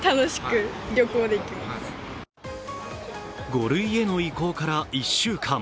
５類への移行から１週間。